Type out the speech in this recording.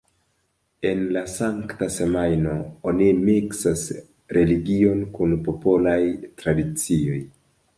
En la Sankta Semajno oni miksas religion kun popolaj tradicioj.